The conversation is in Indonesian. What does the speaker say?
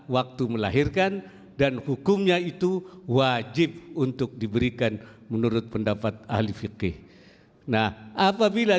waktu melahirkan dan hukumnya itu wajib untuk diberikan menurut pendapat ahli fikih nah apabila